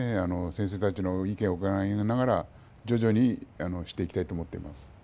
先生たちの意見を伺いながら徐々にしていきたいと思っています。